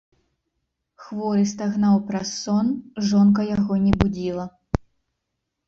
Хворы стагнаў праз сон, жонка яго не будзіла.